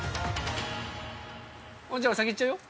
じゃあ先いっちゃうよ。